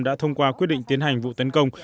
đã thông qua quyết định tiến hành vụ tấn công